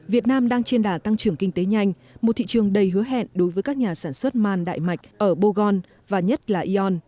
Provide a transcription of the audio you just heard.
việt nam đang trên đà tăng trưởng kinh tế nhanh một thị trường đầy hứa hẹn đối với các nhà sản xuất man đại mạch ở bogon và nhất là ion